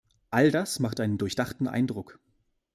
All das macht einen durchdachten Eindruck.